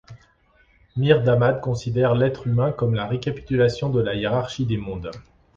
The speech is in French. Mir Damad considère l'être humain comme la récapitulation de la hiérarchie des mondes.